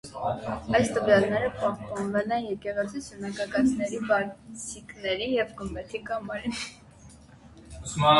Այս տվյալները պահպանվել են եկեղեցու սյունագագաթների բաձիկներին և գմբեթի կամարին։